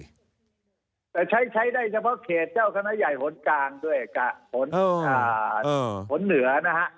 แต่ใช้ใช้ได้เฉพาะเขตเจ้าคณะใหญ่หนกลางด้วยผลเหนือนะฮะ